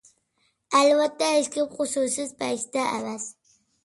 ئەلۋەتتە، ھېچكىم قۇسۇرسىز پەرىشتە ئەمەس.